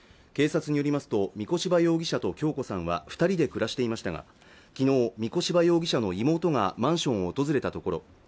警察によりますと御子柴容疑者と恭子さんは二人で暮らしていましたが昨日御子柴容疑者の妹がマンションを訪れたところ